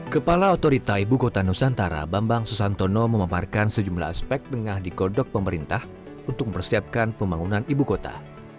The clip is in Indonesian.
kepala otorita ibu kota nusantara bambang susantono memaparkan sejumlah aspek tengah dikodok pemerintah untuk mempersiapkan pembangunan ibu kota